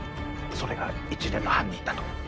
それが一連の犯人だと。